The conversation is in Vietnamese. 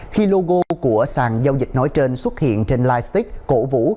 khi logo của sàn giao dịch nói trên xuất hiện trên lighst cổ vũ